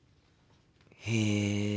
へえ。